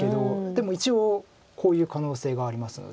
でも一応こういう可能性がありますので。